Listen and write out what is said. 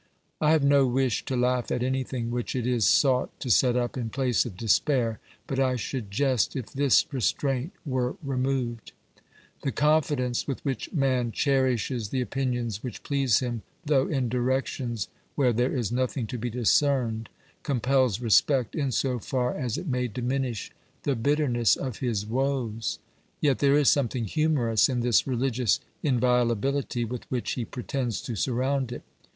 I have no wish to laugh at anything which it is sought to set up in place of despair, but I should jest if this restraint were removed. The confidence with which man cherishes the opinions which please him, though in direc tions where there is nothing to be discerned, compels respect in so far as it may diminish the bitterness of his woes ; yet there is something humorous in this religious inviola bility with which he pretends to surround it.